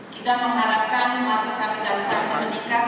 kita mengharapkan mobil kapitalisasi meningkat